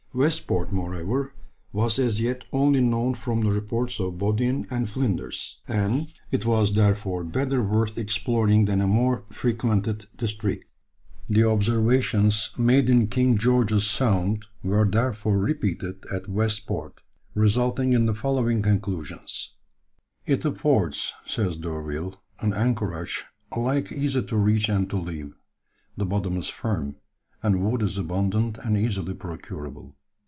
West Port moreover, was as yet only known from the reports of Baudin and Flinders, and it was therefore better worth exploring than a more frequented district. The observations made in King George's Sound were therefore repeated at West Port, resulting in the following conclusions: "It affords," says D'Urville, "an anchorage alike easy to reach and to leave, the bottom is firm, and wood is abundant and easily procurable.